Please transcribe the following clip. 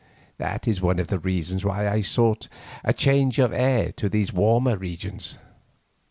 That is one of the reasons why I sought a change of air to these warmer regions.